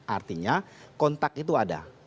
artinya kontak itu ada